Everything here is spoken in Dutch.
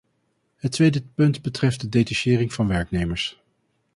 Het tweede punt betreft de detachering van werknemers.